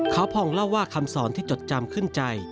เขาพองเล่าว่าคำสอนที่จดจำขึ้นใจ